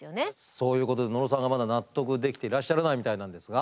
そういうことで野呂さんがまだ納得できていらっしゃらないみたいなんですが。